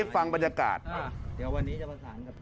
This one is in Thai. ให้ฟังบรรยากาศอ่ะเดี๋ยววันนี้จะผสานกับ